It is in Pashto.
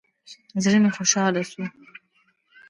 زړه مې خوشاله سو.